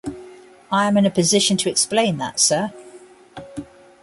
I am in a position to explain that, sir.